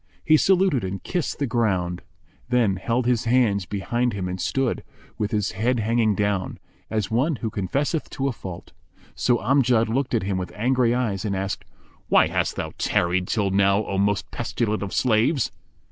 He saluted and kissed the ground; then held his hands behind him and stood, with his head hanging down, as one who confesseth to a fault. So Amjad looked at him with angry eyes and asked, "Why hast thou tarried till now, O most pestilent of slaves?"